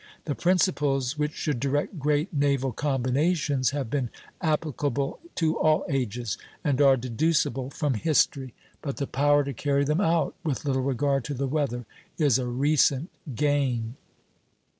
The principles which should direct great naval combinations have been applicable to all ages, and are deducible from history; but the power to carry them out with little regard to the weather is a recent gain.